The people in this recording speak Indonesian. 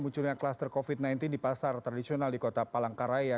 munculnya kluster covid sembilan belas di pasar tradisional di kota palangkaraya